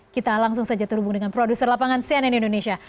kita langsung saja terhubung dengan produser lapangan cnn indonesia